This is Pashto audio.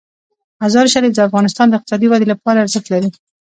مزارشریف د افغانستان د اقتصادي ودې لپاره ارزښت لري.